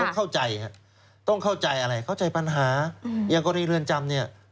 ต้องเข้าใจต้องเข้าใจอะไรเข้าใจปัญหาอืมยังก็ได้เรื่องจำเนี่ย